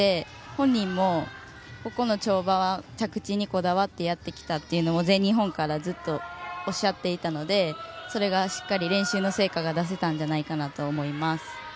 本人も跳馬は着地にこだわってやってきたというのを、全日本からずっとおっしゃっていたのでそれがしっかり、練習の成果が出せたんじゃないかなと思います。